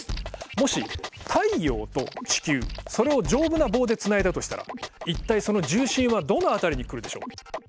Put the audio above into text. もし太陽と地球それを丈夫な棒でつないだとしたら一体その重心はどの辺りに来るでしょう？